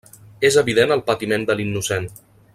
És evident el patiment de l'innocent.